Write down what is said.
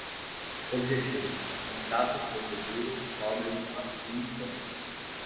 Objetivo: contratos de seguro que cobrem as cem gangues.